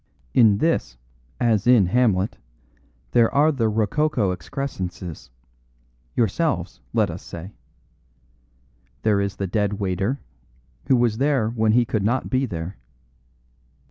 In this, as in Hamlet, there are the rococo excrescences yourselves, let us say. There is the dead waiter, who was there when he could not be there.